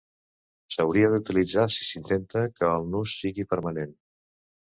S'hauria d'utilitzar si s'intenta que el nus sigui permanent.